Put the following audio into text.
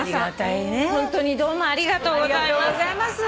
ホントにどうもありがとうございます。